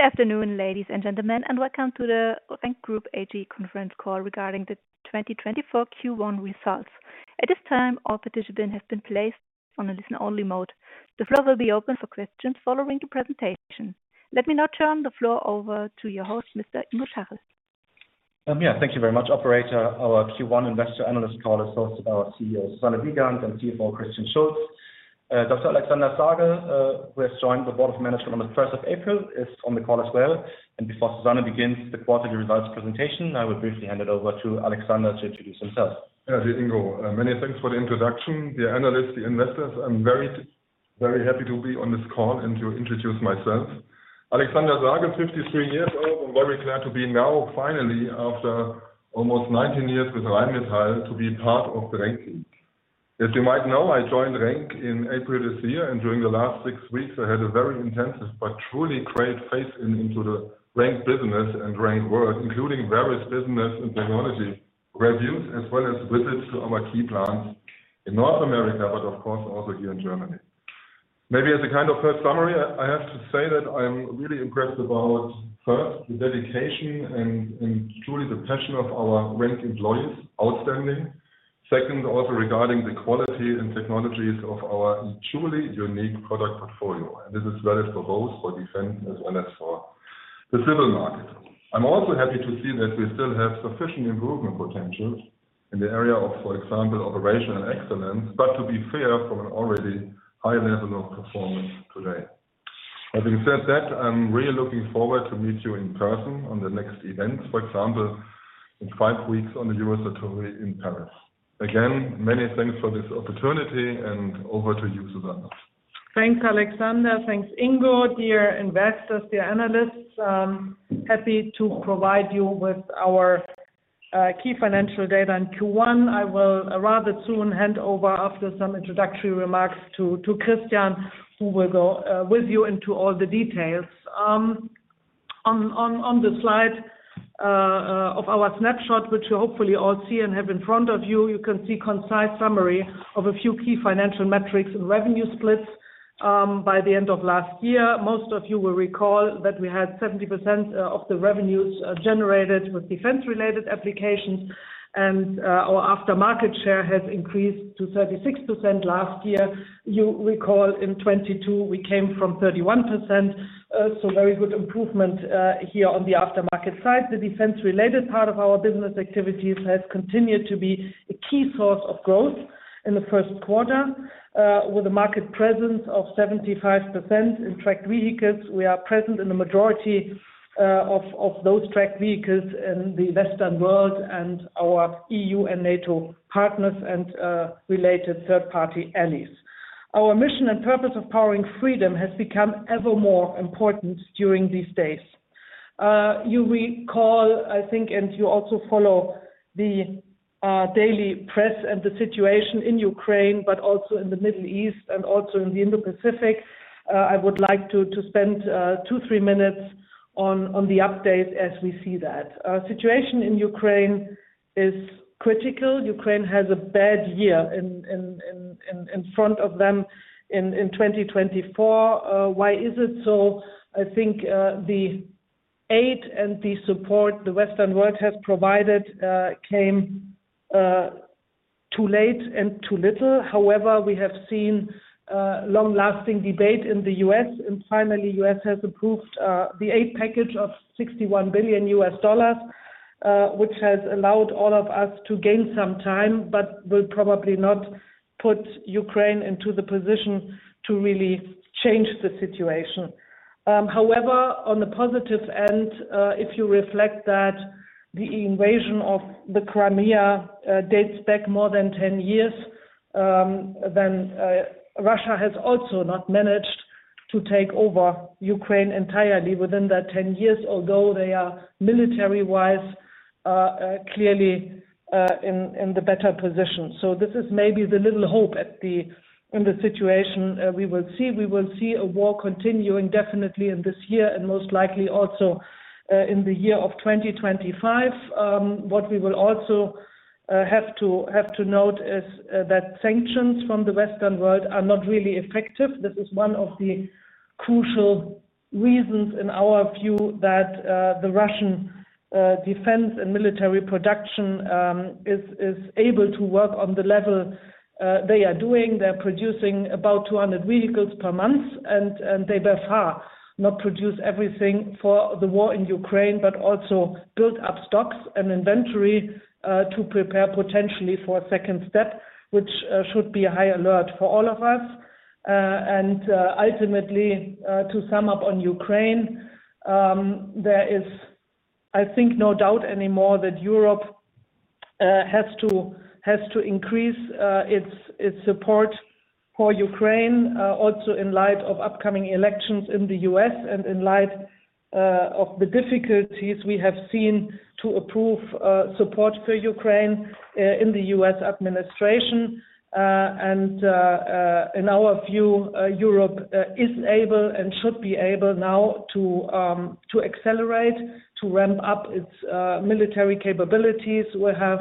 Good afternoon, ladies and gentlemen, and welcome to the RENK Group AG conference call regarding the 2024 Q1 results. At this time, all participants have been placed on a listen-only mode. The floor will be open for questions following the presentation. Let me now turn the floor over to your host, Mr. Ingo Schachel. Yeah, thank you very much, operator. Our Q1 investor analyst call is hosted by our CEO, Susanne Wiegand, and CFO, Christian Schulz. Dr. Alexander Sagel, who has joined the board of management on the first of April, is on the call as well. Before Susanne begins the quarterly results presentation, I will briefly hand it over to Alexander to introduce himself. Yeah, dear Ingo, many thanks for the introduction. Dear analysts, dear investors, I'm very, very happy to be on this call and to introduce myself. Alexander Sagel, 53 years old, and very glad to be now, finally, after almost 19 years with Rheinmetall, to be part of the RENK team. As you might know, I joined RENK in April this year, and during the last six weeks, I had a very intensive but truly great phase into the RENK business and RENK work, including various business and technology reviews, as well as visits to our key plants in North America, but of course, also here in Germany. Maybe as a kind of first summary, I have to say that I am really impressed about, first, the dedication and truly the passion of our RENK employees. Outstanding. Second, also regarding the quality and technologies of our truly unique product portfolio, and this is valid for both for defense as well as for the civil market. I'm also happy to see that we still have sufficient improvement potential in the area of, for example, operational excellence, but to be fair, from an already high level of performance today. Having said that, I'm really looking forward to meet you in person on the next events, for example, in five weeks on the Eurosatory in Paris. Again, many thanks for this opportunity, and over to you, Susanne. Thanks, Alexander. Thanks, Ingo. Dear investors, dear analysts, happy to provide you with our key financial data in Q1. I will rather soon hand over after some introductory remarks to Christian, who will go with you into all the details. On the slide of our snapshot, which you hopefully all see and have in front of you, you can see concise summary of a few key financial metrics and revenue splits. By the end of last year, most of you will recall that we had 70% of the revenues generated with defense-related applications, and our aftermarket share has increased to 36% last year. You recall in 2022, we came from 31%, so very good improvement here on the aftermarket side. The defense-related part of our business activities has continued to be a key source of growth in the first quarter with a market presence of 75%. In tracked vehicles, we are present in the majority of those tracked vehicles in the Western world and our EU and NATO partners and related third-party allies. Our mission and purpose of powering freedom has become ever more important during these days. You recall, I think, and you also follow the daily press and the situation in Ukraine, but also in the Middle East and also in the Indo-Pacific. I would like to spend 2-3 minutes on the update as we see that. Situation in Ukraine is critical. Ukraine has a bad year in front of them in 2024. Why is it so? I think the aid and the support the Western world has provided came too late and too little. However, we have seen long-lasting debate in the U.S., and finally, the U.S. has approved the aid package of $61 billion, which has allowed all of us to gain some time, but will probably not put Ukraine into the position to really change the situation. However, on the positive end, if you reflect that the invasion of the Crimea dates back more than 10 years, then Russia has also not managed to take over Ukraine entirely within that 10 years, although they are military-wise clearly in the better position. So this is maybe the little hope in the situation. We will see. We will see a war continuing definitely in this year and most likely also in the year of 2025. What we will also have to note is that sanctions from the Western world are not really effective. This is one of the crucial reasons, in our view, that the Russian defense and military production is able to work on the level they are doing. They're producing about 200 vehicles per month, and they by far not produce everything for the war in Ukraine, but also build up stocks and inventory to prepare potentially for a second step, which should be a high alert for all of us. And ultimately, to sum up on Ukraine, there is, I think, no doubt anymore that Europe has to increase its support for Ukraine, also in light of upcoming elections in the U.S. and in light of the difficulties we have seen to approve support for Ukraine in the U.S. administration. And in our view, Europe is able and should be able now to accelerate, to ramp up its military capabilities. We have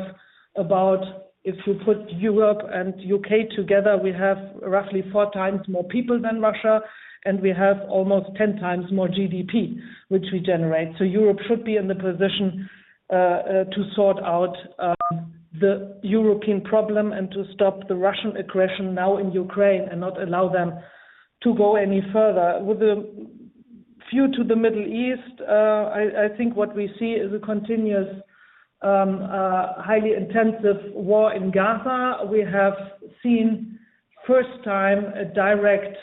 about, if you put Europe and UK together, we have roughly four times more people than Russia, and we have almost ten times more GDP, which we generate. So Europe should be in the position to sort out. the European problem and to stop the Russian aggression now in Ukraine and not allow them to go any further. With a view to the Middle East, I think what we see is a continuous, highly intensive war in Gaza. We have seen first time a direct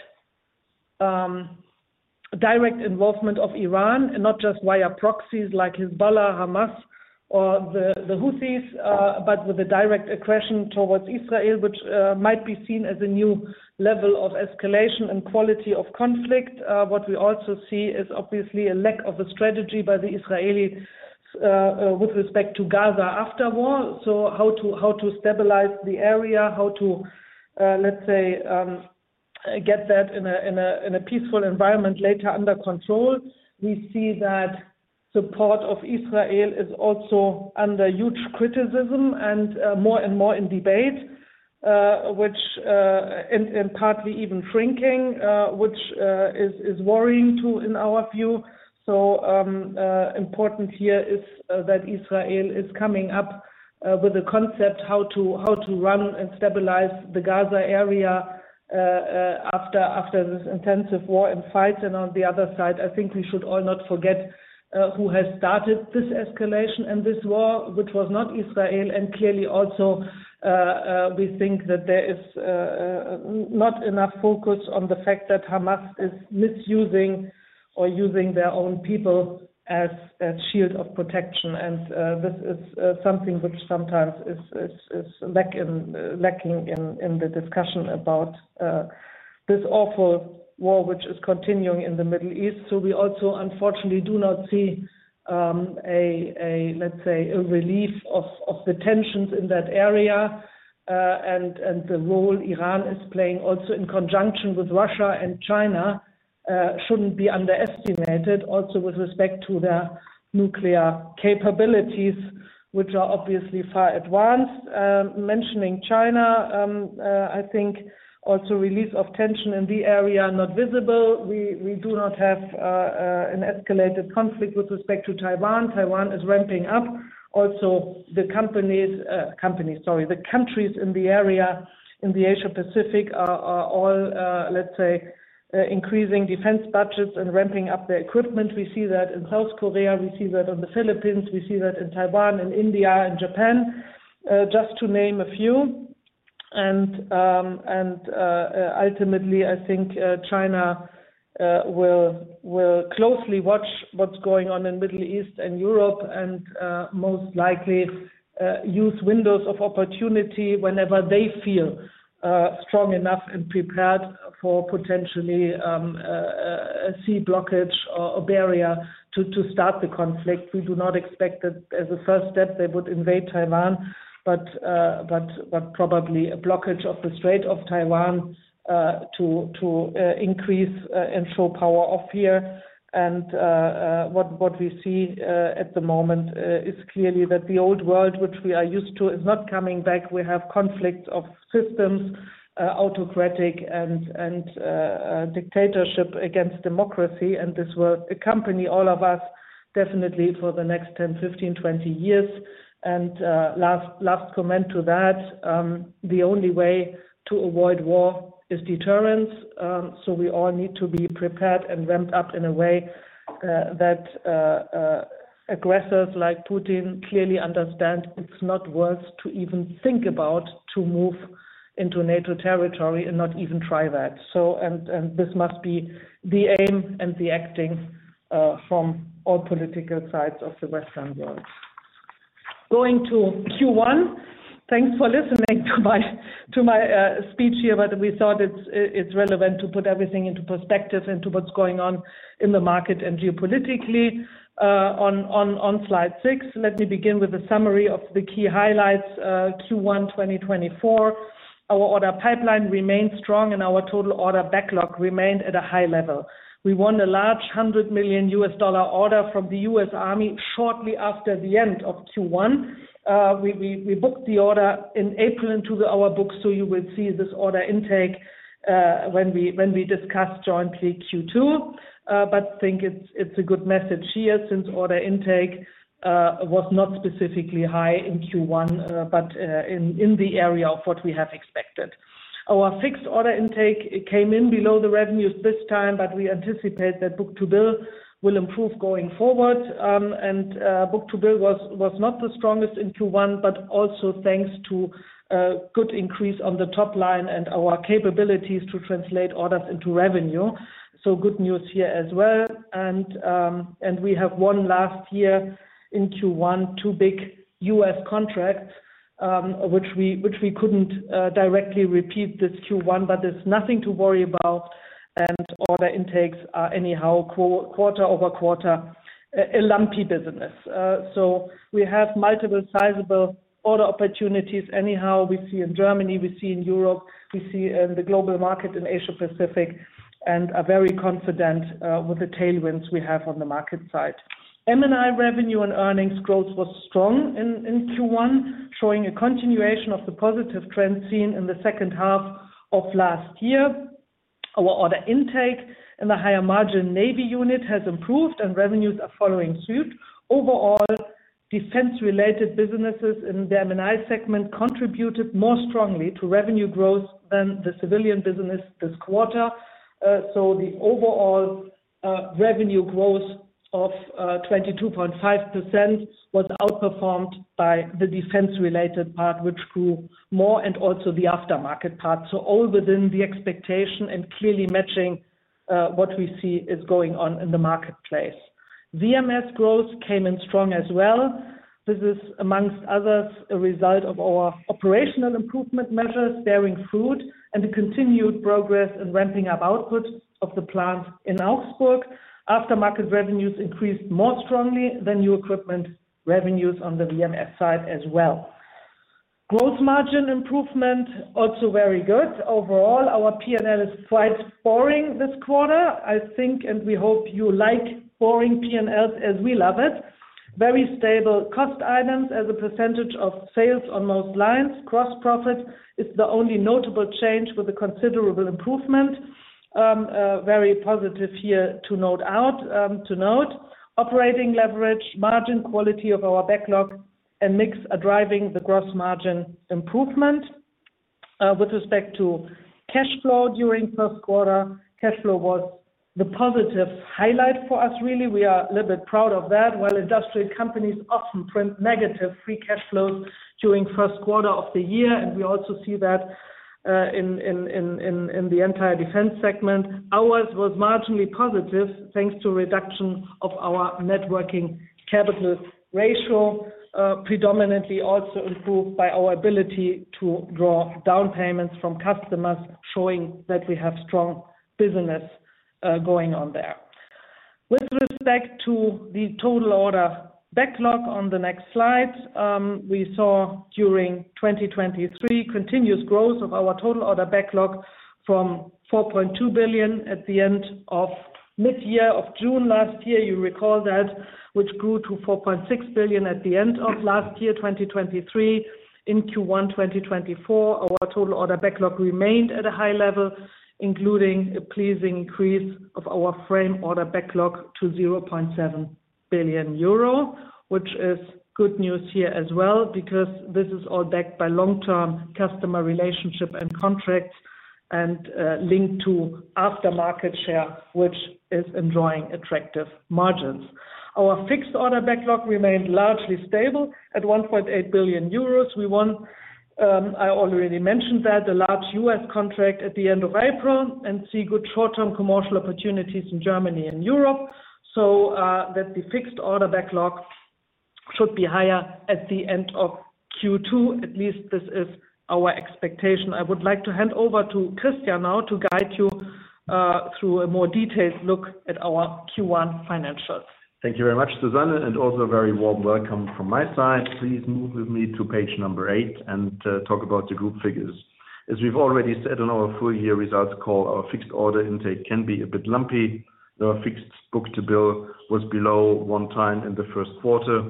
direct involvement of Iran, and not just via proxies like Hezbollah, Hamas, or the Houthis, but with a direct aggression towards Israel, which might be seen as a new level of escalation and quality of conflict. What we also see is obviously a lack of a strategy by the Israelis, with respect to Gaza after war. So how to, how to stabilize the area, how to, let's say, get that in a, in a, in a peaceful environment later under control. We see that support of Israel is also under huge criticism and, more and more in debate, which, and partly even shrinking, which, is worrying too, in our view. So, important here is, that Israel is coming up, with a concept how to run and stabilize the Gaza area, after this intensive war and fight. And on the other side, I think we should all not forget, who has started this escalation and this war, which was not Israel. And clearly also, we think that there is, not enough focus on the fact that Hamas is misusing or using their own people as a shield of protection. This is something which sometimes is lacking in the discussion about this awful war, which is continuing in the Middle East. We also, unfortunately, do not see a, let's say, a relief of the tensions in that area. The role Iran is playing also in conjunction with Russia and China shouldn't be underestimated, also with respect to their nuclear capabilities, which are obviously far advanced. Mentioning China, I think also release of tension in the area are not visible. We do not have an escalated conflict with respect to Taiwan. Taiwan is ramping up. Also, the countries in the area, in the Asia Pacific, are all, let's say, increasing defense budgets and ramping up their equipment. We see that in South Korea, we see that on the Philippines, we see that in Taiwan and India and Japan, just to name a few. And ultimately, I think, China will closely watch what's going on in Middle East and Europe and most likely use windows of opportunity whenever they feel strong enough and prepared for potentially a sea blockage or a barrier to start the conflict. We do not expect that as a first step, they would invade Taiwan, but probably a blockage of the Strait of Taiwan to increase and show power of fear. And what we see at the moment is clearly that the old world, which we are used to, is not coming back. We have conflict of systems, autocratic and dictatorship against democracy, and this will accompany all of us definitely for the next 10, 15, 20 years. Last comment to that, the only way to avoid war is deterrence. So we all need to be prepared and ramped up in a way that aggressors like Putin clearly understand it's not worth to even think about to move into NATO territory and not even try that. So this must be the aim and the acting from all political sides of the Western world. Going to Q1, thanks for listening to my speech here, but we thought it's relevant to put everything into perspective into what's going on in the market and geopolitically. On slide six, let me begin with a summary of the key highlights, Q1 2024. Our order pipeline remained strong, and our total order backlog remained at a high level. We won a large $100 million order from the U.S. Army shortly after the end of Q1. We booked the order in April into our books, so you will see this order intake when we discuss jointly Q2. But think it's a good message here since order intake was not specifically high in Q1, but in the area of what we have expected. Our fixed order intake came in below the revenues this time, but we anticipate that book-to-bill will improve going forward. And book-to-bill was not the strongest in Q1, but also thanks to a good increase on the top line and our capabilities to translate orders into revenue. So good news here as well. And we have won last year in Q1 two big U.S. contracts, which we couldn't directly repeat this Q1, but there's nothing to worry about, and order intakes are anyhow quarter-over-quarter a lumpy business. So we have multiple sizable order opportunities anyhow, we see in Germany, we see in Europe, we see in the global market in Asia Pacific, and are very confident with the tailwinds we have on the market side. M&I revenue and earnings growth was strong in Q1, showing a continuation of the positive trend seen in the second half of last year. Our order intake in the higher margin Navy unit has improved and revenues are following suit. Overall, defense-related businesses in the M&I segment contributed more strongly to revenue growth than the civilian business this quarter. So the overall revenue growth of 22.5% was outperformed by the defense-related part, which grew more, and also the aftermarket part. So all within the expectation and clearly matching what we see is going on in the marketplace. VMS growth came in strong as well. This is, amongst others, a result of our operational improvement measures bearing fruit and a continued progress in ramping up output of the plant in Augsburg. Aftermarket revenues increased more strongly than new equipment revenues on the VMS side as well. Gross margin improvement, also very good. Overall, our P&L is quite boring this quarter, I think, and we hope you like boring P&Ls, as we love it. Very stable cost items as a percentage of sales on most lines. Gross profit is the only notable change with a considerable improvement. Very positive here to note. Operating leverage, margin quality of our backlog and mix are driving the gross margin improvement. With respect to cash flow during first quarter, cash flow was the positive highlight for us, really. We are a little bit proud of that. While industrial companies often print negative free cash flows during first quarter of the year, and we also see that, in the entire defense segment, ours was marginally positive, thanks to reduction of our net working capital ratio, predominantly also improved by our ability to draw down payments from customers, showing that we have strong business, going on there. With respect to the total order backlog on the next slide, we saw during 2023, continuous growth of our total order backlog from 4.2 billion at the end of mid-year of June last year, you recall that, which grew to 4.6 billion at the end of last year, 2023. In Q1 2024, our total order backlog remained at a high level, including a pleasing increase of our fixed order backlog to 0.7 billion euro, which is good news here as well, because this is all backed by long-term customer relationship and contracts and linked to aftermarket share, which is enjoying attractive margins. Our fixed order backlog remained largely stable at 1.8 billion euros. We won, I already mentioned that, a large U.S. contract at the end of April and see good short-term commercial opportunities in Germany and Europe. So, that the fixed order backlog should be higher at the end of Q2. At least this is our expectation. I would like to hand over to Christian now to guide you through a more detailed look at our Q1 financials. Thank you very much, Susanne, and also a very warm welcome from my side. Please move with me to page number 8 and talk about the group figures. As we've already said in our full year results call, our fixed order intake can be a bit lumpy. The fixed book-to-bill was below one time in the first quarter.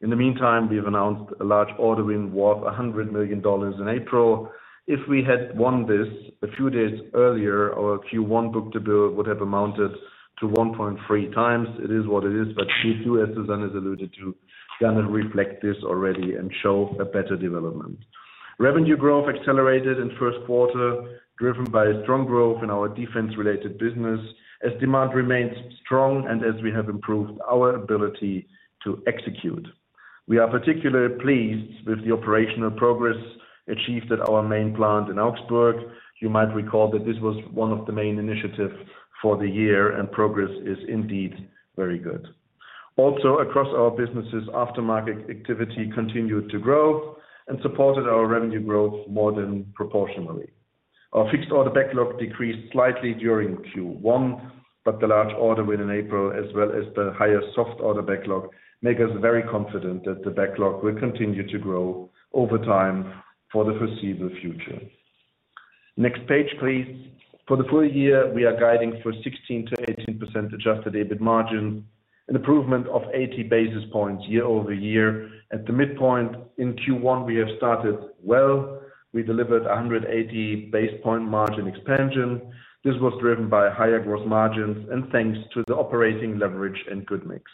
In the meantime, we've announced a large order win worth $100 million in April. If we had won this a few days earlier, our Q1 book-to-bill would have amounted to 1.3 times. It is what it is, but Q2, as Susanne has alluded to, gonna reflect this already and show a better development. Revenue growth accelerated in first quarter, driven by a strong growth in our defense-related business, as demand remains strong and as we have improved our ability to execute. We are particularly pleased with the operational progress achieved at our main plant in Augsburg. You might recall that this was one of the main initiatives for the year, and progress is indeed very good. Also, across our businesses, aftermarket activity continued to grow and supported our revenue growth more than proportionally. Our fixed order backlog decreased slightly during Q1, but the large order win in April, as well as the higher soft order backlog, make us very confident that the backlog will continue to grow over time for the foreseeable future. Next page, please. For the full year, we are guiding for 16%-18% adjusted EBIT margin, an improvement of 80 basis points year-over-year. At the midpoint in Q1, we have started well. We delivered a 180 basis point margin expansion. This was driven by higher gross margins and thanks to the operating leverage and good mix.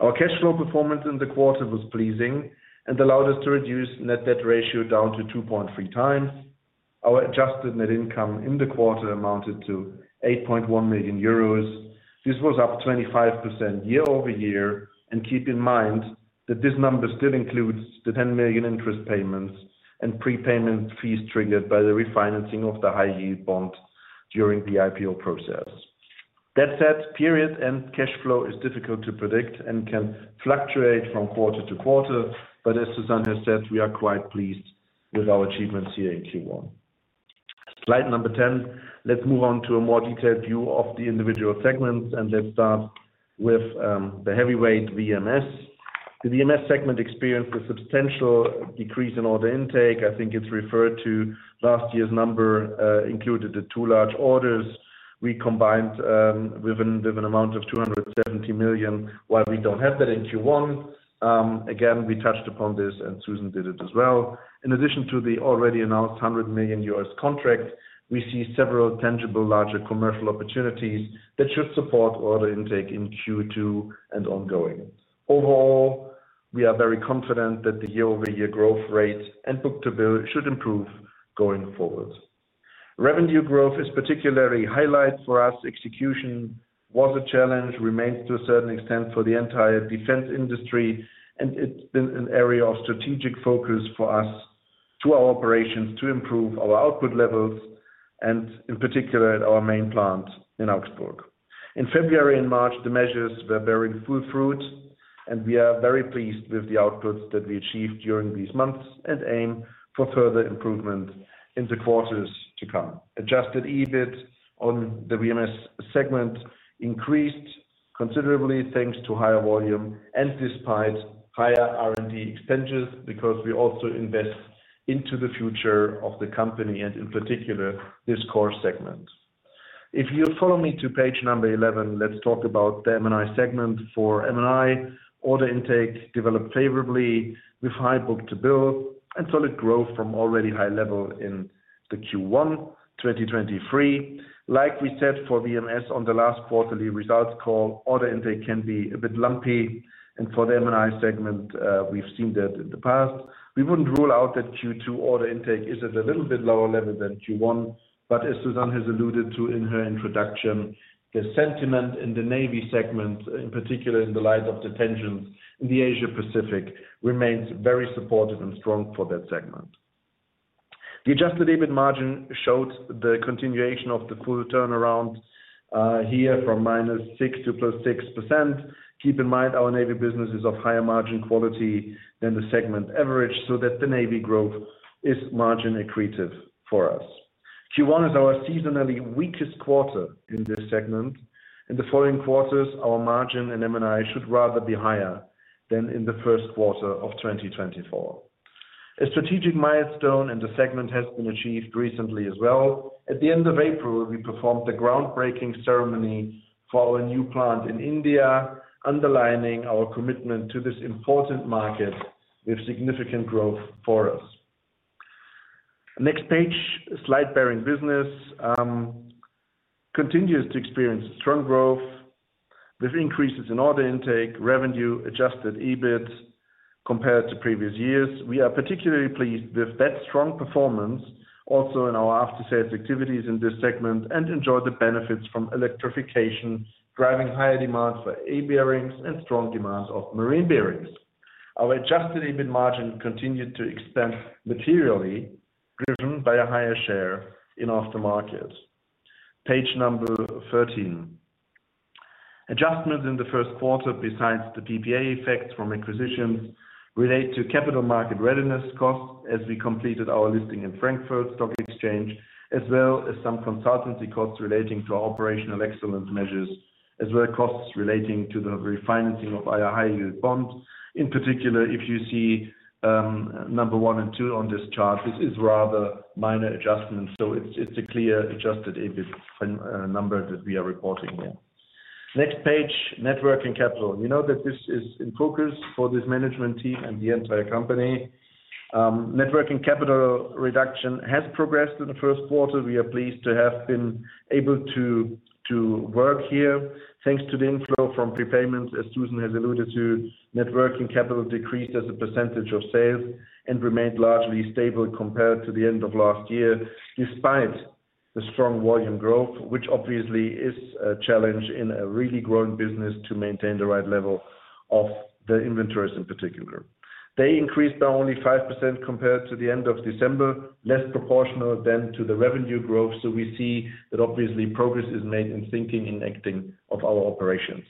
Our cash flow performance in the quarter was pleasing and allowed us to reduce net debt ratio down to 2.3 times. Our adjusted net income in the quarter amounted to 8.1 million euros. This was up 25% year-over-year. And keep in mind that this number still includes the 10 million interest payments and prepayment fees triggered by the refinancing of the high yield bond during the IPO process. That said, period end cash flow is difficult to predict and can fluctuate from quarter-to-quarter. But as Susanne has said, we are quite pleased with our achievements here in Q1. Slide number 10. Let's move on to a more detailed view of the individual segments, and let's start with the heavyweight VMS. The VMS segment experienced a substantial decrease in order intake. I think it's referred to last year's number included the two large orders. We combined with an amount of 270 million, while we don't have that in Q1. Again, we touched upon this, and Susanne did it as well. In addition to the already announced $100 million U.S. contract, we see several tangible, larger commercial opportunities that should support order intake in Q2 and ongoing. Overall, we are very confident that the year-over-year growth rate and book-to-bill should improve going forward. Revenue growth is particularly highlighted for us. Execution was a challenge, remains to a certain extent for the entire defense industry, and it's been an area of strategic focus for us to our operations to improve our output levels, and in particular, at our main plant in Augsburg. In February and March, the measures were bearing full fruit, and we are very pleased with the outputs that we achieved during these months, and aim for further improvement in the quarters to come. Adjusted EBIT on the VMS segment increased considerably, thanks to higher volume and despite higher R&D expenditures, because we also invest into the future of the company, and in particular, this core segment. If you follow me to page 11, let's talk about the M&I segment. For M&I, order intake developed favorably with high book-to-bill and solid growth from already high level in the Q1 2023. Like we said, for VMS on the last quarterly results call, order intake can be a bit lumpy, and for the M&I segment, we've seen that in the past. We wouldn't rule out that Q2 order intake is at a little bit lower level than Q1, but as Susanne has alluded to in her introduction, the sentiment in the Navy segment, in particular in the light of the tensions in the Asia Pacific, remains very supportive and strong for that segment. The adjusted EBIT margin showed the continuation of the full turnaround here from -6% to +6%. Keep in mind, our Navy business is of higher margin quality than the segment average, so that the Navy growth is margin accretive for us. Q1 is our seasonally weakest quarter in this segment. In the following quarters, our margin and M&I should rather be higher than in the first quarter of 2024. A strategic milestone in the segment has been achieved recently as well. At the end of April, we performed a groundbreaking ceremony for our new plant in India, underlining our commitment to this important market with significant growth for us. Next page, Slide Bearings business continues to experience strong growth with increases in order intake, revenue, Adjusted EBIT compared to previous years. We are particularly pleased with that strong performance also in our after-sales activities in this segment, and enjoy the benefits from electrification, driving higher demands for E-bearings and strong demands of marine bearings. Our Adjusted EBIT margin continued to expand materially, driven by a higher share in aftermarket. Page number 13. Adjustments in the first quarter, besides the PPA effects from acquisitions, relate to capital market readiness costs, as we completed our listing in Frankfurt Stock Exchange, as well as some consultancy costs relating to our operational excellence measures, as well as costs relating to the refinancing of our high-yield bonds. In particular, if you see, number 1 and 2 on this chart, this is rather minor adjustments, so it's, it's a clear Adjusted EBIT number that we are reporting there. Next page, net working capital. We know that this is in focus for this management team and the entire company. Net working capital reduction has progressed in the first quarter. We are pleased to have been able to, to work here. Thanks to the inflow from prepayments, as Susanne has alluded to, net working capital decreased as a percentage of sales and remained largely stable compared to the end of last year, despite the strong volume growth, which obviously is a challenge in a really growing business to maintain the right level of the inventories in particular. They increased by only 5% compared to the end of December, less proportional than to the revenue growth. So we see that obviously progress is made in thinking and acting of our operations.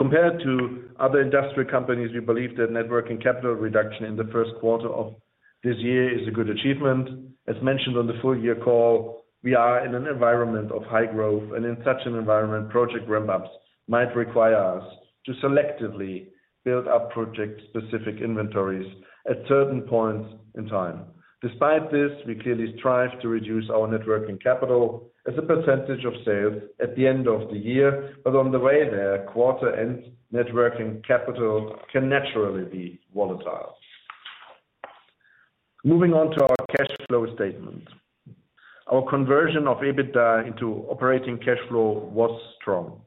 Compared to other industrial companies, we believe that net working capital reduction in the first quarter of this year is a good achievement. As mentioned on the full year call, we are in an environment of high growth, and in such an environment, project ramp-ups might require us to selectively build up project-specific inventories at certain points in time. Despite this, we clearly strive to reduce our Net Working Capital as a percentage of sales at the end of the year, but on the way there, quarter-end Net Working Capital can naturally be volatile. Moving on to our cash flow statement. Our conversion of EBITDA into operating cash flow was strong,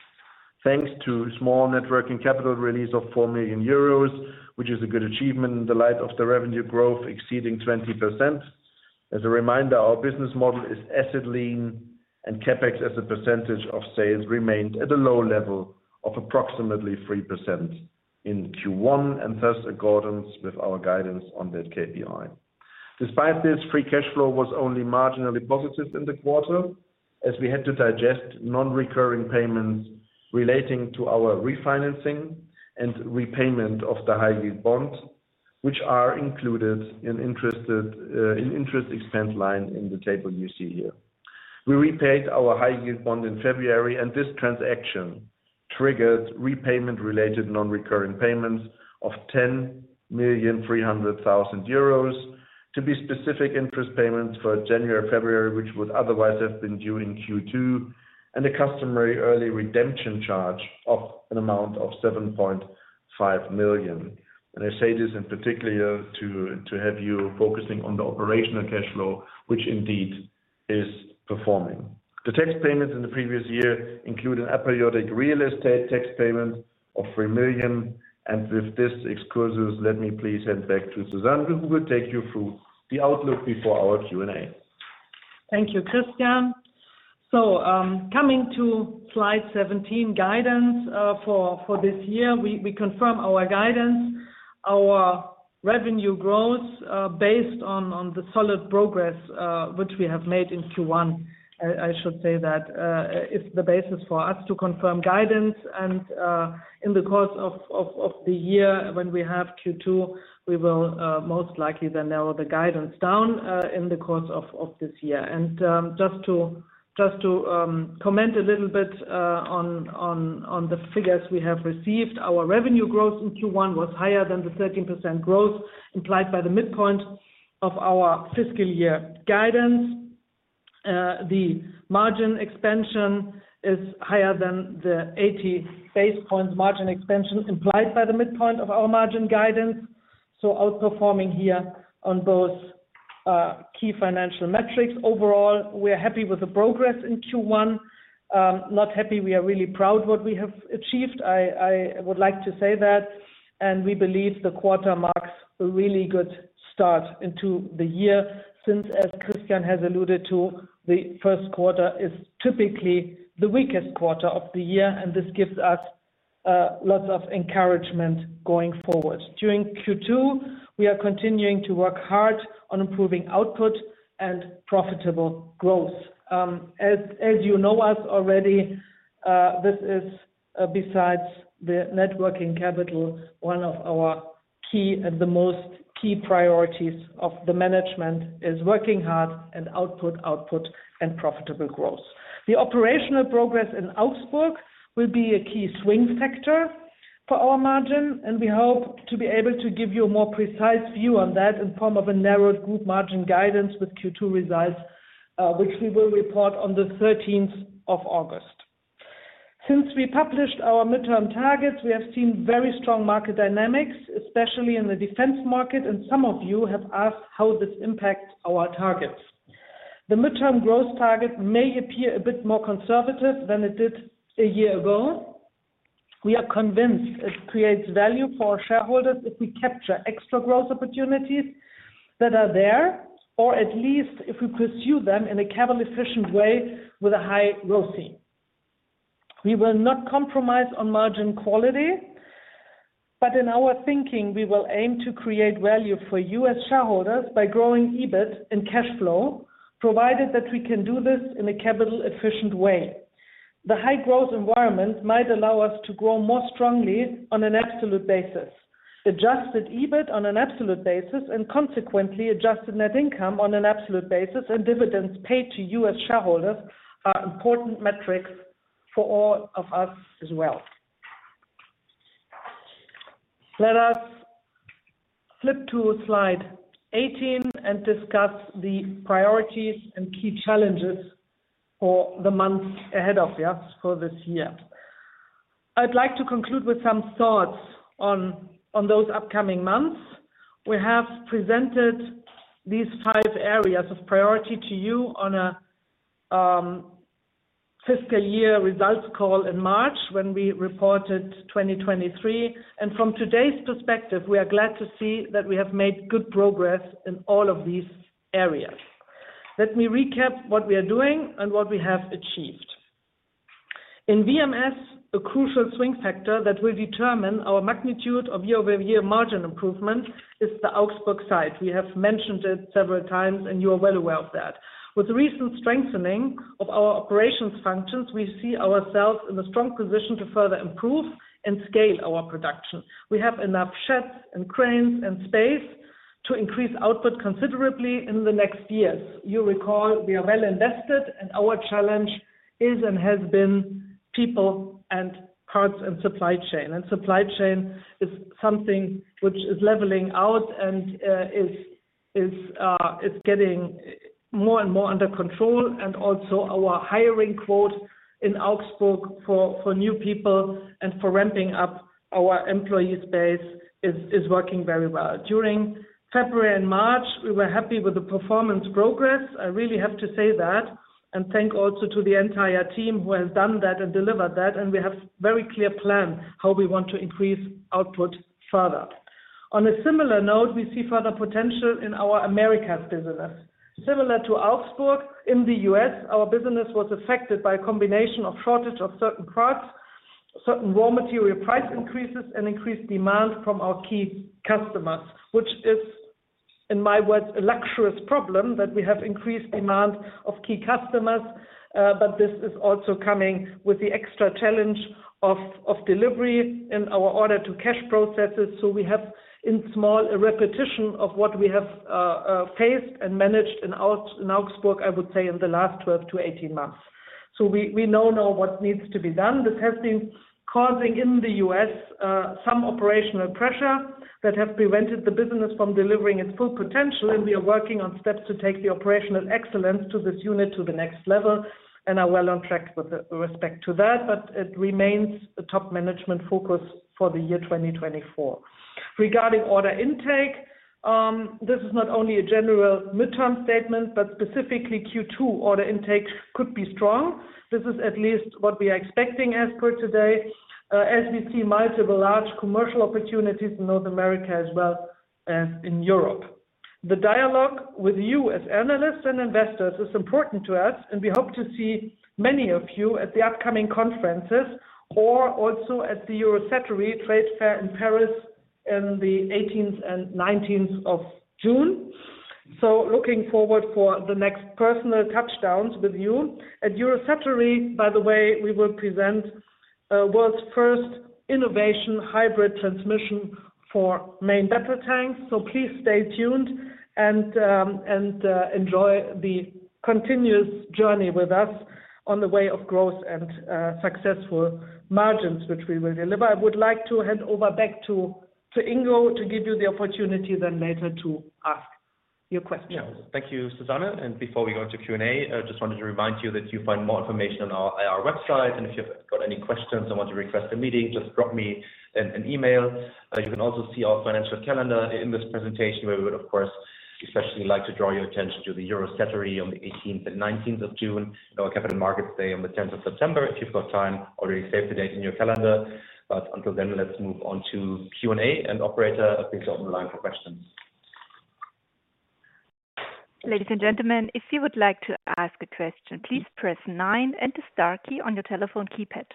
thanks to small Net Working Capital release of 4 million euros, which is a good achievement in the light of the revenue growth exceeding 20%. As a reminder, our business model is asset lean, and CapEx, as a percentage of sales, remained at a low level of approximately 3% in Q1, and thus in accordance with our guidance on that KPI. Despite this, free cash flow was only marginally positive in the quarter, as we had to digest non-recurring payments relating to our refinancing and repayment of the high-yield bonds, which are included in interest expense line in the table you see here. We repaid our high-yield bond in February, and this transaction triggered repayment related non-recurring payments of 10.3 million, to be specific interest payments for January, February, which would otherwise have been due in Q2, and a customary early redemption charge of an amount of 7.5 million. I say this in particular to have you focusing on the operational cash flow, which indeed is performing. The tax payments in the previous year include an aperiodic real estate tax payment of 3 million. With these exclusions, let me please hand back to Susanne, who will take you through the outlook before our Q&A. Thank you, Christian. So, coming to slide 17, guidance for this year, we confirm our guidance, our revenue growth based on the solid progress which we have made in Q1. I should say that it's the basis for us to confirm guidance and in the course of the year, when we have Q2, we will most likely narrow the guidance down in the course of this year. And just to comment a little bit on the figures we have received. Our revenue growth in Q1 was higher than the 13% growth implied by the midpoint of our fiscal year guidance. The margin expansion is higher than the 80 basis points margin expansion implied by the midpoint of our margin guidance. So outperforming here on both key financial metrics. Overall, we are happy with the progress in Q1. Not happy, we are really proud what we have achieved. I would like to say that, and we believe the quarter marks a really good start into the year. Since, as Christian has alluded to, the first quarter is typically the weakest quarter of the year, and this gives us lots of encouragement going forward. During Q2, we are continuing to work hard on improving output and profitable growth. As you know us already, this is, besides the net working capital, one of our key and the most key priorities of the management is working hard and output, output and profitable growth. The operational progress in Augsburg will be a key swing factor for our margin, and we hope to be able to give you a more precise view on that in form of a narrowed group margin guidance with Q2 results, which we will report on the thirteenth of August. Since we published our midterm targets, we have seen very strong market dynamics, especially in the defense market, and some of you have asked how this impacts our targets. The midterm growth target may appear a bit more conservative than it did a year ago. We are convinced it creates value for our shareholders if we capture extra growth opportunities that are there, or at least if we pursue them in a capital efficient way with a high growth scene. We will not compromise on margin quality, but in our thinking, we will aim to create value for you as shareholders by growing EBIT and cash flow, provided that we can do this in a capital efficient way. The high growth environment might allow us to grow more strongly on an absolute basis. Adjusted EBIT on an absolute basis and consequently, adjusted net income on an absolute basis and dividends paid to you as shareholders are important metrics for all of us as well. Let us flip to slide 18 and discuss the priorities and key challenges for the months ahead of us for this year. I'd like to conclude with some thoughts on those upcoming months. We have presented these five areas of priority to you on a fiscal year results call in March when we reported 2023. From today's perspective, we are glad to see that we have made good progress in all of these areas. Let me recap what we are doing and what we have achieved. In VMS, a crucial swing factor that will determine our magnitude of year-over-year margin improvement is the Augsburg site. We have mentioned it several times, and you are well aware of that. With the recent strengthening of our operations functions, we see ourselves in a strong position to further improve and scale our production. We have enough sheds and cranes and space to increase output considerably in the next years. You recall, we are well invested, and our challenge is and has been people and parts and supply chain. Supply chain is something which is leveling out and is getting more and more under control, and also our hiring quote in Augsburg for new people and for ramping up our employee space is working very well. During February and March, we were happy with the performance progress. I really have to say that, and thanks also to the entire team who has done that and delivered that, and we have very clear plan how we want to increase output further. On a similar note, we see further potential in our Americas business. Similar to Augsburg, in the U.S., our business was affected by a combination of shortage of certain parts, certain raw material price increases and increased demand from our key customers, which is, in my words, a luxurious problem, that we have increased demand of key customers, but this is also coming with the extra challenge of delivery in our order to cash processes. So we have in small, a repetition of what we have faced and managed in Augsburg, I would say, in the last 12-18 months.... So we now know what needs to be done. This has been causing in the U.S. some operational pressure that have prevented the business from delivering its full potential, and we are working on steps to take the operational excellence to this unit to the next level, and are well on track with respect to that, but it remains a top management focus for the year 2024. Regarding order intake, this is not only a general midterm statement, but specifically Q2 order intake could be strong. This is at least what we are expecting as per today, as we see multiple large commercial opportunities in North America as well as in Europe. The dialogue with you as analysts and investors is important to us, and we hope to see many of you at the upcoming conferences or also at the Eurosatory Trade Fair in Paris in the 18th and 19th of June. Looking forward for the next personal touchdowns with you. At Eurosatory, by the way, we will present world's first innovation, hybrid transmission for main battle tanks. Please stay tuned and enjoy the continuous journey with us on the way of growth and successful margins, which we will deliver. I would like to hand over back to Ingo, to give you the opportunity then later to ask your questions. Yeah. Thank you, Susanne. And before we go into Q&A, I just wanted to remind you that you find more information on our IR website, and if you've got any questions or want to request a meeting, just drop me an email. You can also see our financial calendar in this presentation, where we would, of course, especially like to draw your attention to the Eurosatory on the eighteenth and nineteenth of June, our Capital Markets Day on the tenth of September. If you've got time, already save the date in your calendar. But until then, let's move on to Q&A, and operator, please open the line for questions. Ladies and gentlemen, if you would like to ask a question, please press nine and the star key on your telephone keypad.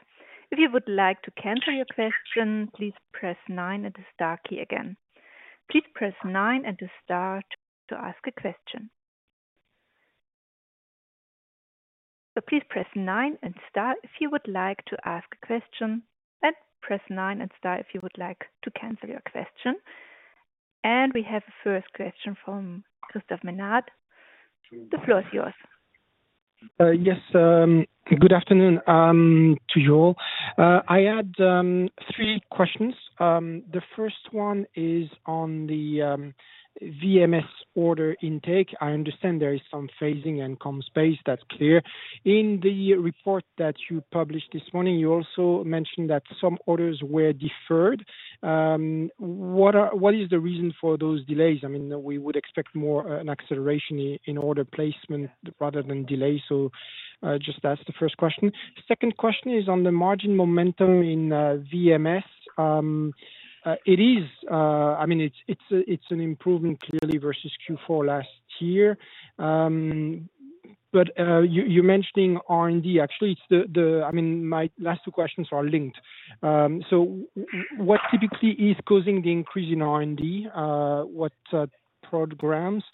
If you would like to cancel your question, please press nine and the star key again. Please press nine and the star to ask a question. So please press nine and star if you would like to ask a question, and press nine and star if you would like to cancel your question. And we have the first question from Christophe Menard. The floor is yours. Yes, good afternoon to you all. I had three questions. The first one is on the VMS order intake. I understand there is some phasing and comm space, that's clear. In the report that you published this morning, you also mentioned that some orders were deferred. What is the reason for those delays? I mean, we would expect more an acceleration in order placement rather than delays. So, just that's the first question. Second question is on the margin momentum in VMS. It is, I mean, it's an improvement clearly versus Q4 last year. But you mentioning R&D, actually, it's the, I mean, my last two questions are linked. So what typically is causing the increase in R&D, what programs?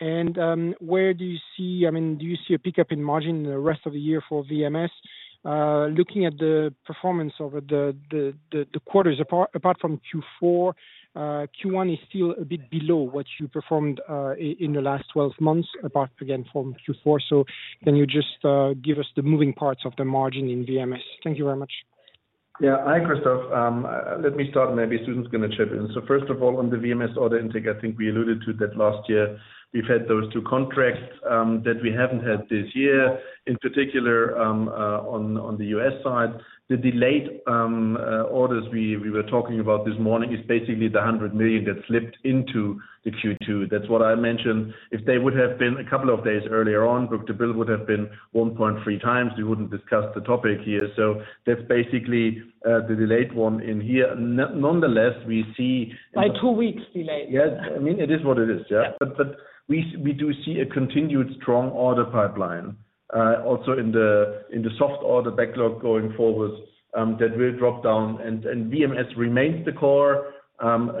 Where do you see, I mean, do you see a pickup in margin in the rest of the year for VMS? Looking at the performance over the quarters, apart from Q4, Q1 is still a bit below what you performed in the last twelve months, apart again from Q4. So can you just give us the moving parts of the margin in VMS? Thank you very much. Yeah. Hi, Christophe. Let me start, and maybe Susanne's going to chip in. So first of all, on the VMS order intake, I think we alluded to that last year. We've had those two contracts that we haven't had this year, in particular, on the U.S. side. The delayed orders we were talking about this morning is basically the 100 million that slipped into the Q2. That's what I mentioned. If they would have been a couple of days earlier on, book-to-bill would have been 1.3 times. We wouldn't discuss the topic here. So that's basically the delayed one in here. Nonetheless, we see- By two weeks delayed. Yes. I mean, it is what it is, yeah. Yeah. We do see a continued strong order pipeline, also in the soft order backlog going forward, that will drop down. And VMS remains the core.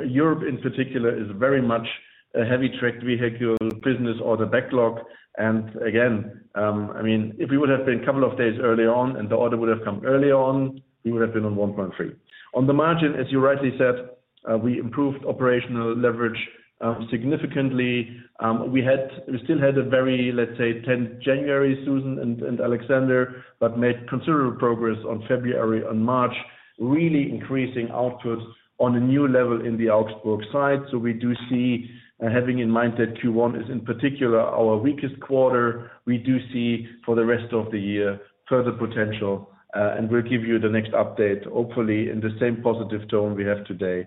Europe in particular is very much a heavy tracked vehicle business order backlog. And again, I mean, if we would have been a couple of days early on and the order would have come early on, we would have been on 1.3. On the margin, as you rightly said, we improved operational leverage significantly. We had, we still had a very, let's say, tough January, Susanne and Alexander, but made considerable progress on February and March, really increasing output on a new level in the Augsburg site. So we do see, having in mind that Q1 is in particular our weakest quarter, we do see for the rest of the year, further potential, and we'll give you the next update, hopefully in the same positive tone we have today.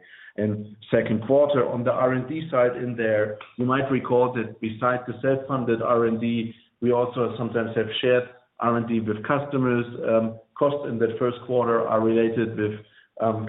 Second quarter, on the R&D side in there, you might recall that besides the self-funded R&D, we also sometimes have shared R&D with customers. Costs in the first quarter are related with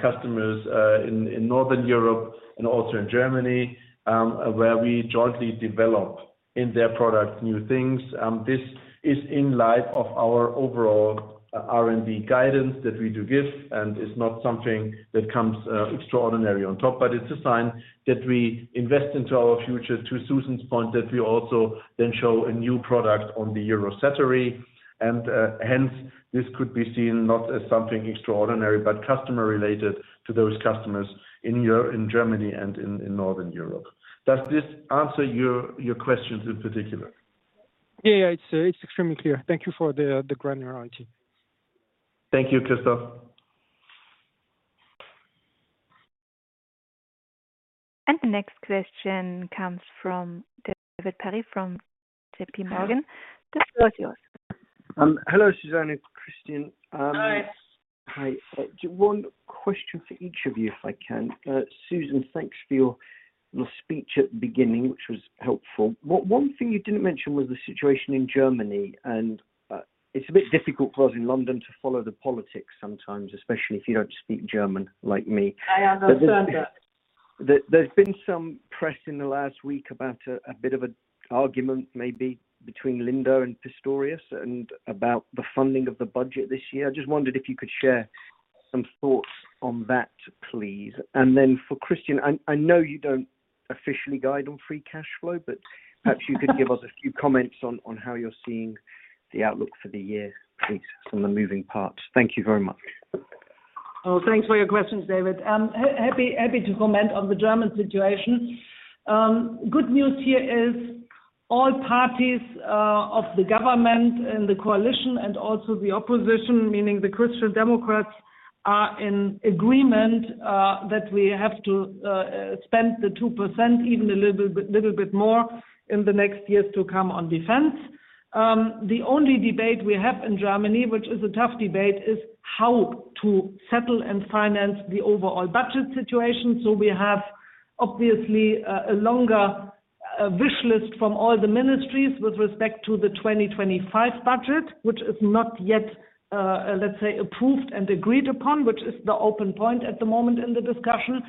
customers in Northern Europe and also in Germany, where we jointly develop in their products, new things. This is in light of our overall R&D guidance that we do give, and it's not something that comes extraordinary on top, but it's a sign that we invest into our future, to Susan's point, that we also then show a new product on the Eurosatory. And, hence, this could be seen not as something extraordinary, but customer-related to those customers in Europe, in Germany, and in Northern Europe. Does this answer your questions in particular? Yeah, yeah, it's extremely clear. Thank you for the granularity. Thank you, Christophe. The next question comes from David Perry, from J.P. Morgan. David, the floor is yours. Hello, Susanne and Christian. Hi. Hi. One question for each of you, if I can. Susanne, thanks for your, your speech at the beginning, which was helpful. One, one thing you didn't mention was the situation in Germany, and it's a bit difficult for us in London to follow the politics sometimes, especially if you don't speak German, like me. I understand that. There's been some press in the last week about a bit of an argument maybe between Lindner and Pistorius, and about the funding of the budget this year. I just wondered if you could share some thoughts on that, please. And then for Christian, I know you don't officially guide on free cash flow, but perhaps you could give us a few comments on how you're seeing the outlook for the year, please, on the moving parts. Thank you very much. Oh, thanks for your questions, David. Happy to comment on the German situation. Good news here is all parties of the government and the coalition and also the opposition, meaning the Christian Democrats, are in agreement that we have to spend the 2%, even a little bit more in the next years to come on defense. The only debate we have in Germany, which is a tough debate, is how to settle and finance the overall budget situation. So we have obviously a longer wish list from all the ministries with respect to the 2025 budget, which is not yet, let's say, approved and agreed upon, which is the open point at the moment in the discussion.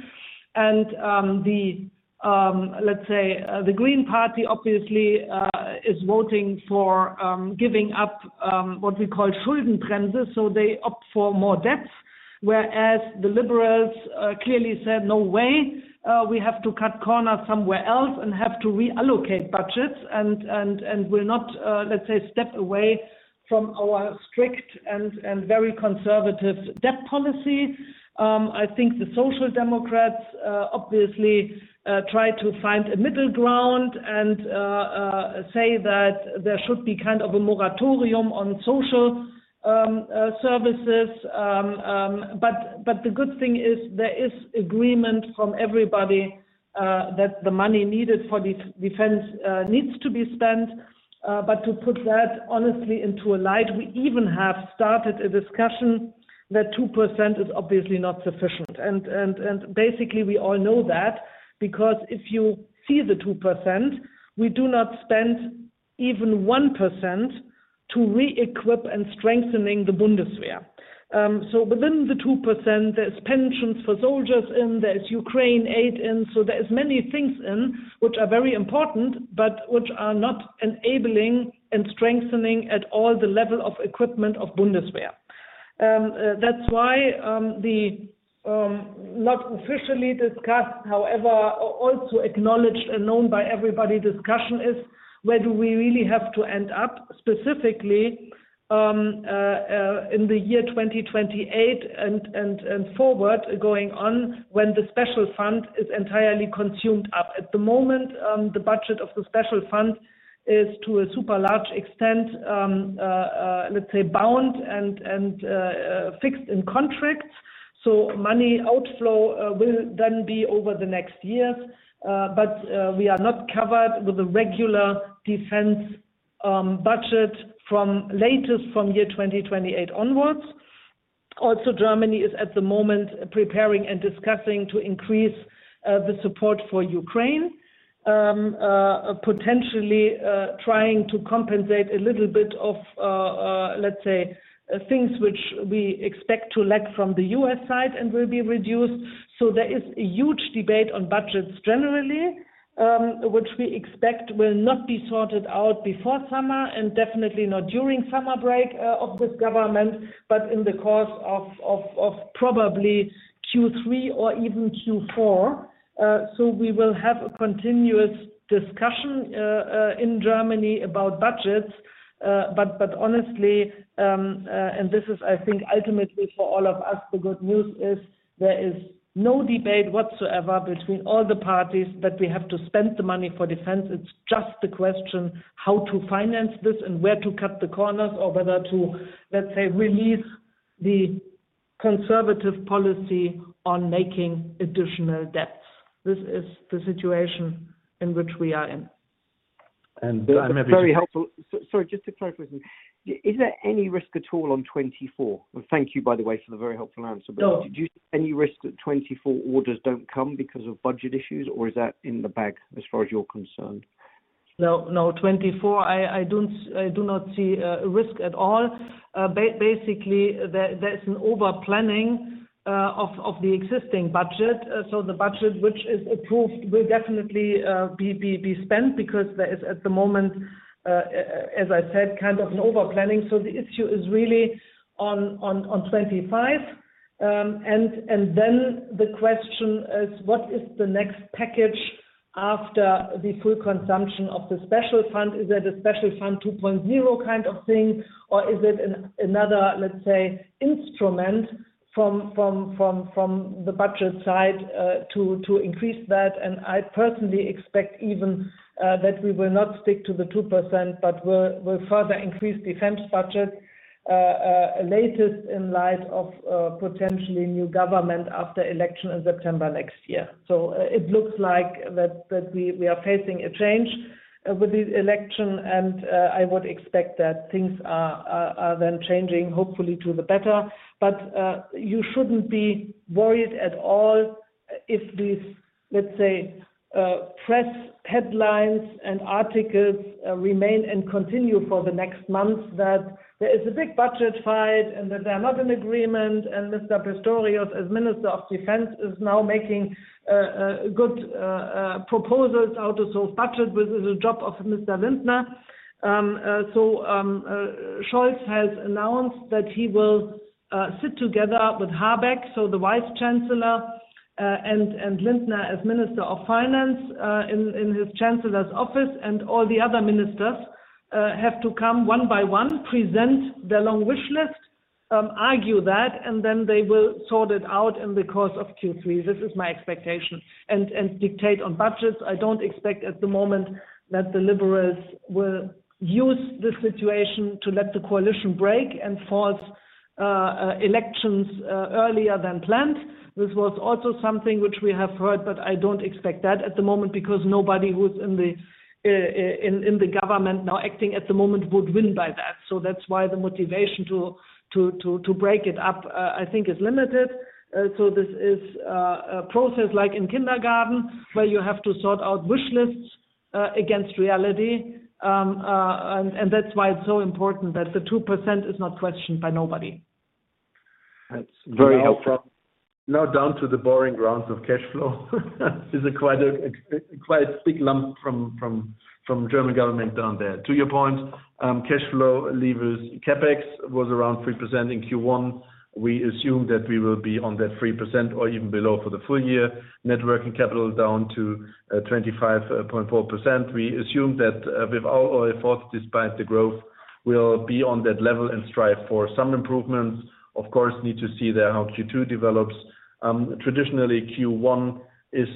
The Green Party, obviously, is voting for giving up what we call the debt brake. So they opt for more debts, whereas the liberals clearly said, "No way, we have to cut corners somewhere else and have to reallocate budgets, and will not, let's say, step away from our strict and very conservative debt policy." I think the Social Democrats obviously try to find a middle ground and say that there should be kind of a moratorium on social services. But the good thing is there is agreement from everybody that the money needed for defense needs to be spent. But to put that honestly into a light, we even have started a discussion that 2% is obviously not sufficient. Basically, we all know that because if you see the 2%, we do not spend even 1% to re-equip and strengthening the Bundeswehr. So within the 2%, there's pensions for soldiers, and there's Ukraine aid, and so there is many things in which are very important, but which are not enabling and strengthening at all the level of equipment of Bundeswehr. That's why the not officially discussed, however, also acknowledged and known by everybody, discussion is where do we really have to end up, specifically, in the year 2028 and forward going on when the special fund is entirely consumed up. At the moment, the budget of the special fund is to a super large extent, let's say, bound and fixed in contracts, so money outflow will then be over the next years, but we are not covered with a regular defense budget from year 2028 onwards. Also, Germany is at the moment preparing and discussing to increase the support for Ukraine, potentially trying to compensate a little bit of, let's say, things which we expect to lack from the U.S. side and will be reduced. So there is a huge debate on budgets generally, which we expect will not be sorted out before summer and definitely not during summer break of this government, but in the course of probably Q3 or even Q4. So we will have a continuous discussion in Germany about budgets. But honestly, and this is, I think, ultimately for all of us, the good news is there is no debate whatsoever between all the parties that we have to spend the money for defense. It's just the question, how to finance this and where to cut the corners, or whether to, let's say, release the conservative policy on making additional debts. This is the situation in which we are in. Very helpful. Sorry, just to clarify, is there any risk at all on 2024? Thank you, by the way, for the very helpful answer. No. But do you... Any risk that 24 orders don't come because of budget issues, or is that in the bag as far as you're concerned? No, no, 2024, I don't, I do not see a risk at all. Basically, there's an overplanning of the existing budget. So the budget, which is approved, will definitely be spent because there is, at the moment, as I said, kind of an overplanning. So the issue is really on 2025. And then the question is: What is the next package after the full consumption of the special fund? Is that a special fund 2.0 kind of thing, or is it another, let's say, instrument from the budget side to increase that? I personally expect even that we will not stick to the 2%, but will further increase defense budget, latest in light of potentially new government after election in September next year. So, it looks like that we are facing a change with the election, and I would expect that things are then changing, hopefully to the better. But you shouldn't be worried at all if these, let's say, press headlines and articles remain and continue for the next months, that there is a big budget fight and that they are not in agreement. And Mr. Pistorius, as Minister of Defense, is now making a good proposals how to solve budget, which is the job of Mr. Lindner. So, Scholz has announced that he will sit together with Habeck, the Vice Chancellor, and Lindner as Minister of Finance, in his chancellor's office. And all the other ministers have to come one by one, present their long wish list, argue that, and then they will sort it out in the course of Q3. This is my expectation. And dictate on budgets, I don't expect at the moment that the liberals will use this situation to let the coalition break and force elections earlier than planned. This was also something which we have heard, but I don't expect that at the moment, because nobody who's in the government now acting at the moment would win by that. So that's why the motivation to break it up, I think is limited. So this is a process like in kindergarten, where you have to sort out wish lists against reality. And that's why it's so important that the 2% is not questioned by nobody. That's very helpful. Now down to the boring grounds of cash flow. It's a quite a big lump from the German government down there. To your point, cash flow levers CapEx was around 3% in Q1. We assume that we will be on that 3% or even below for the full year. Net working capital down to 25.4%. We assume that with our efforts, despite the growth, we'll be on that level and strive for some improvements. Of course, need to see there how Q2 develops. Traditionally, Q1 is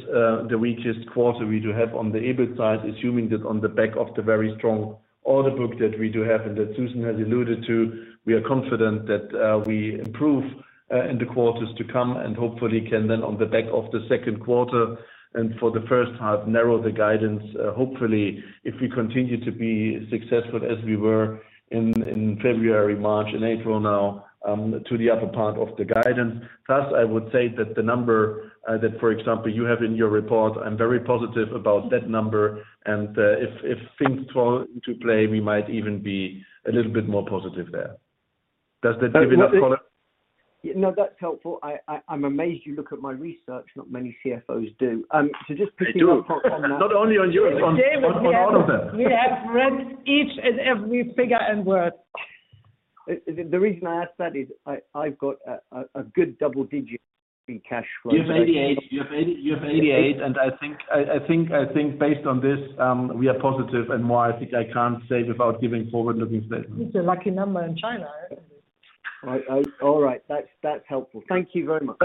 the weakest quarter we do have on the EBIT side, assuming that on the back of the very strong order book that we do have and that Susanne has alluded to, we are confident that we improve in the quarters to come and hopefully can then on the back of the second quarter and for the first half, narrow the guidance. Hopefully, if we continue to be successful as we were in February, March, and April now, to the upper part of the guidance. Thus, I would say that the number, for example, you have in your report, I'm very positive about that number, and if things fall into play, we might even be a little bit more positive there. Does that give you enough, Connor? No, that's helpful. I'm amazed you look at my research, not many CFOs do. So just- I do. Not only on yours, on all of them. We have read each and every figure and word. The reason I ask that is I've got a good double-digit in cash flow. You have 88. You have 80, you have 88, and I think based on this, we are positive and more I think I can't say without giving forward-looking statements. It's a lucky number in China, isn't it? All right, that's, that's helpful. Thank you very much.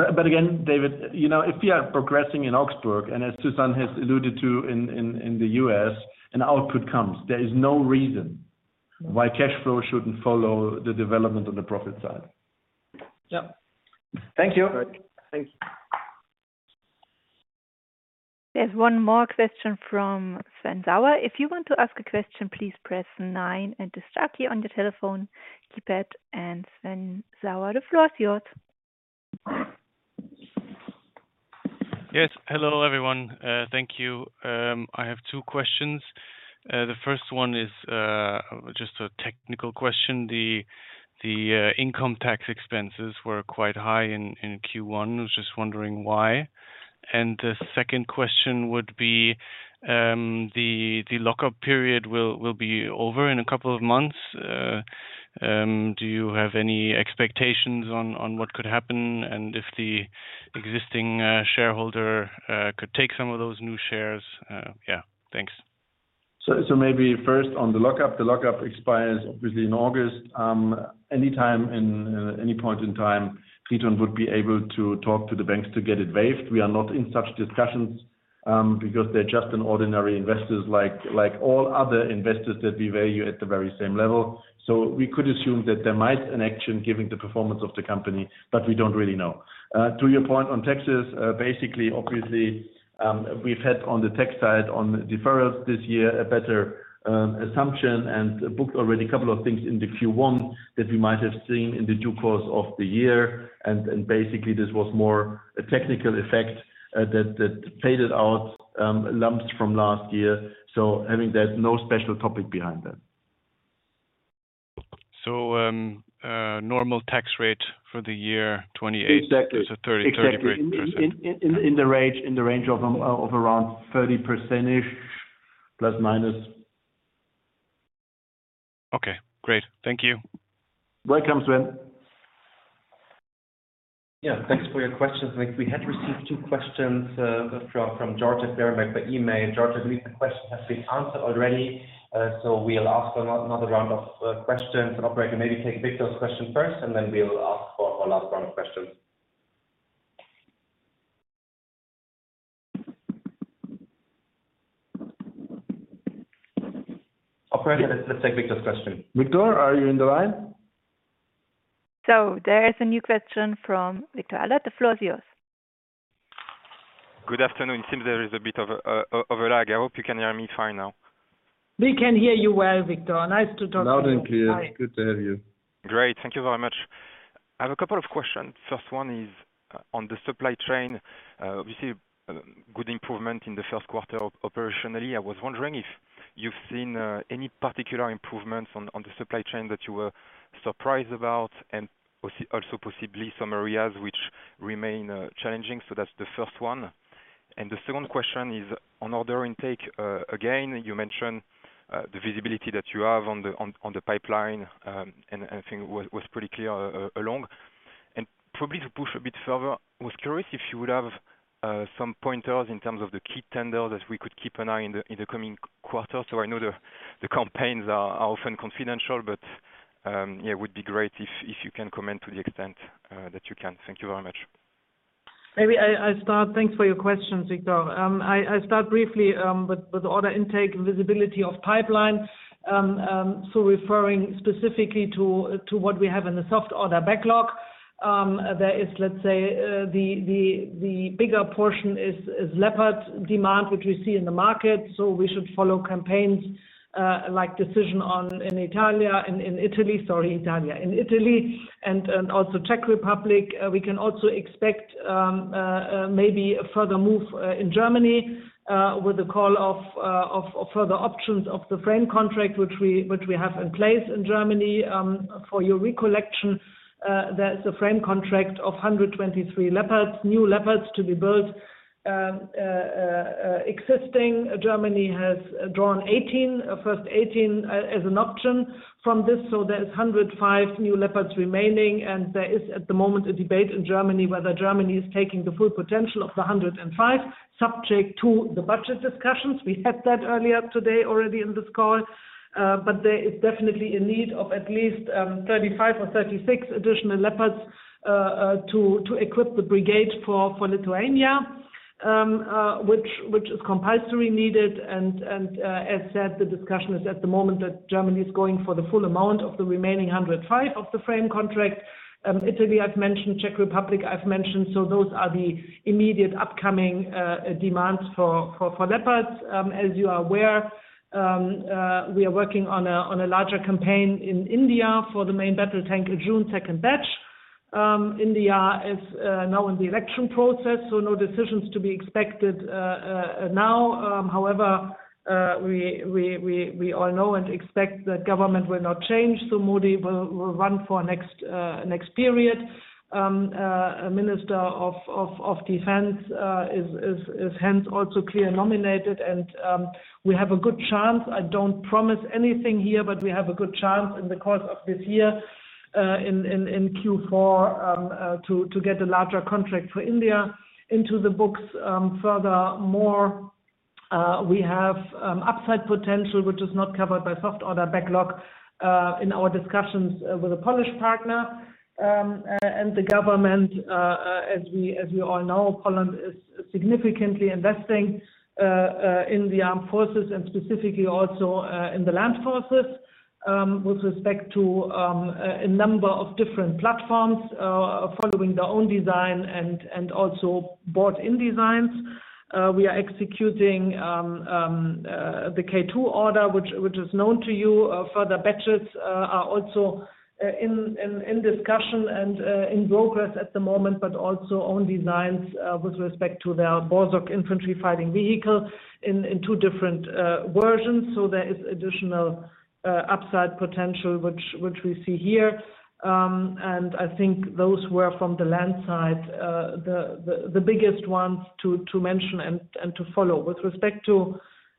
But again, David, you know, if we are progressing in Augsburg, and as Susanne has alluded to in the U.S., and output comes, there is no reason why cash flow shouldn't follow the development on the profit side. Yep. Thank you. Thanks. There's one more question from Sven Sauer. If you want to ask a question, please press nine and the star key on your telephone keypad. Sven Sauer, the floor is yours. Yes. Hello, everyone. Thank you. I have two questions. The first one is just a technical question. The income tax expenses were quite high in Q1. I was just wondering why. And the second question would be the lockup period will be over in a couple of months. Do you have any expectations on what could happen? And if the existing shareholder could take some of those new shares? Yeah. Thanks. So maybe first on the lockup. The lockup expires, obviously, in August. Anytime in any point in time, Triton would be able to talk to the banks to get it waived. We are not in such discussions because they're just an ordinary investors like, like all other investors that we value at the very same level. So we could assume that there might an action given the performance of the company, but we don't really know. To your point on taxes, basically, obviously, we've had on the tax side, on deferrals this year, a better assumption and booked already a couple of things in the Q1 that we might have seen in the due course of the year. And basically, this was more a technical effect that faded out lumps from last year. I think there's no special topic behind that. Normal tax rate for the year, 28%? Exactly. 30, 30%. In the range of around 30%±.... Okay, great. Thank you. Welcome, Sven. Yeah, thanks for your questions. We had received two questions from George Verbeck by email. George, I believe the question has been answered already, so we'll ask for another round of questions. Operator, maybe take Victor's question first, and then we'll ask for our last round of questions. Operator, let's take Victor's question. Victor, are you in the line? There is a new question from Victor Allard. The floor is yours. Good afternoon. Seems there is a bit of a lag. I hope you can hear me fine now. We can hear you well, Victor. Nice to talk to you. Loud and clear. Good to have you. Great. Thank you very much. I have a couple of questions. First one is on the supply chain. We see good improvement in the first quarter operationally. I was wondering if you've seen any particular improvements on the supply chain that you were surprised about, and also possibly some areas which remain challenging? So that's the first one. And the second question is on order intake. Again, you mentioned the visibility that you have on the pipeline, and I think was pretty clear along. And probably to push a bit further, I was curious if you would have some pointers in terms of the key tenders that we could keep an eye in the coming quarters. I know the campaigns are often confidential, but yeah, it would be great if you can comment to the extent that you can. Thank you very much. Maybe I start. Thanks for your questions, Victor. I start briefly with order intake and visibility of pipeline. So referring specifically to what we have in the soft order backlog, there is let's say the bigger portion is Leopard demand, which we see in the market, so we should follow campaigns like decision on in Italy, in Italy, sorry, Italy. In Italy, and also Czech Republic, we can also expect maybe a further move in Germany with the call of further options of the frame contract, which we have in place in Germany. For your recollection, there's a frame contract of 123 Leopards, new Leopards to be built. Germany has drawn 18, first 18, as an option from this, so there is 105 new Leopards remaining, and there is, at the moment, a debate in Germany, whether Germany is taking the full potential of the 105, subject to the budget discussions. We had that earlier today already in this call. But there is definitely a need of at least 35 or 36 additional Leopards to equip the brigade for Lithuania, which is compulsory needed. And as said, the discussion is, at the moment, that Germany is going for the full amount of the remaining 105 of the frame contract. Italy, I've mentioned, Czech Republic, I've mentioned, so those are the immediate upcoming demands for Leopards. As you are aware, we are working on a larger campaign in India for the main battle tank, K2 second batch. India is now in the election process, so no decisions to be expected now. However, we all know and expect that government will not change, so Modi will run for next period. A minister of defense is hence also clear nominated, and we have a good chance, I don't promise anything here, but we have a good chance in the course of this year in Q4 to get a larger contract for India into the books. Furthermore, we have upside potential, which is not covered by soft order backlog, in our discussions with the Polish partner. And the government, as we all know, Poland is significantly investing in the armed forces and specifically also in the land forces, with respect to a number of different platforms, following their own design and also bought in designs. We are executing the K2 order, which is known to you. Further batches are also in discussion and in progress at the moment, but also own designs with respect to their Borsuk infantry fighting vehicle in two different versions. So there is additional upside potential which we see here. And I think those were from the land side, the biggest ones to mention and to follow. With respect to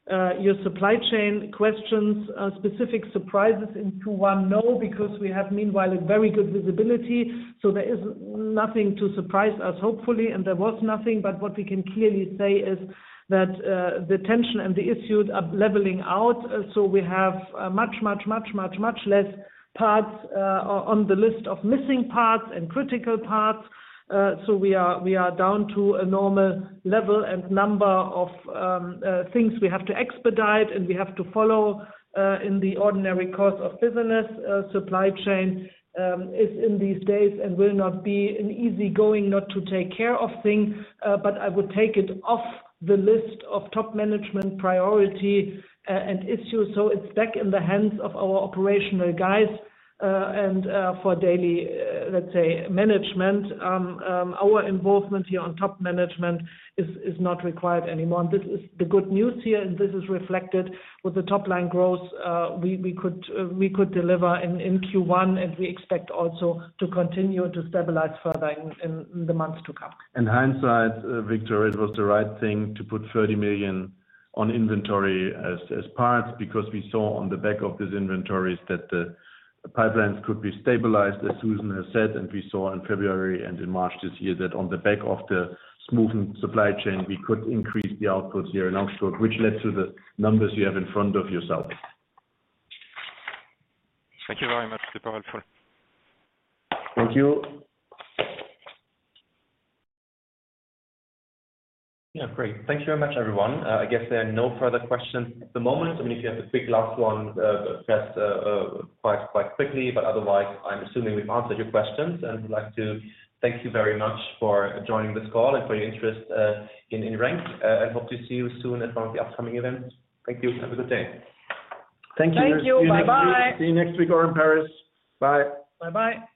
your supply chain questions, specific surprises into one? No, because we have meanwhile a very good visibility, so there is nothing to surprise us, hopefully, and there was nothing. But what we can clearly say is that the tension and the issues are leveling out. So we have much less parts on the list of missing parts and critical parts. So we are down to a normal level and number of things we have to expedite and we have to follow in the ordinary course of business. Supply chain is in these days and will not be an easygoing, not to take care of things, but I would take it off the list of top management priority and issues. So it's back in the hands of our operational guys and for daily, let's say, management. Our involvement here on top management is not required anymore. And this is the good news here, and this is reflected with the top-line growth we could deliver in Q1, and we expect also to continue to stabilize further in the months to come. In hindsight, Victor, it was the right thing to put 30 million on inventory as parts, because we saw on the back of these inventories that the pipelines could be stabilized, as Susan has said, and we saw in February and in March this year, that on the back of the smoothing supply chain, we could increase the outputs here in Augsburg, which led to the numbers you have in front of yourselves. Thank you very much. That's powerful. Thank you. Yeah, great. Thank you very much, everyone. I guess there are no further questions at the moment. I mean, if you have a quick last one, just quite quickly, but otherwise, I'm assuming we've answered your questions. And I'd like to thank you very much for joining this call and for your interest in RENK. I hope to see you soon at one of the upcoming events. Thank you. Have a good day. Thank you. Bye-bye. See you next week or in Paris. Bye. Bye-bye.